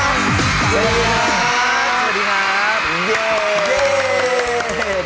สวัสดีครับ